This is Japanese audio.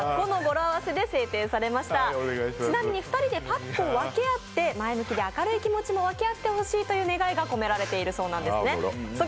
ちなみに２人でパピコを分け合って前向きに明るい気持ちも分け合ってほしいという願いが込められているそうなんです。